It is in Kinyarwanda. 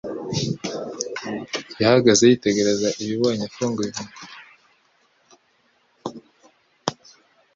Yahagaze yitegereza ibibonye afunguye umunwa.